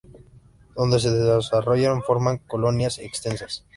Donde se desarrolla forma colonias extensas.